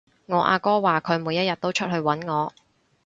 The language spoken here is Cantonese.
我阿哥話佢每一日都出去搵我